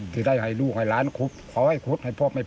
ที่ได้ให้ลูกให้หลานขอให้ขุดเหมาะจบไว้พ่อ